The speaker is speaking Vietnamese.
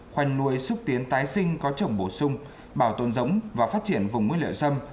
khoanh nuôi xúc tiến tái sinh có trồng bổ sung bảo tồn giống và phát triển vùng nguyên liệu sâm